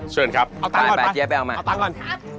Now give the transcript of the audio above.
เชิญครับเอาตังค์ก่อนไปเอาตังค์ก่อน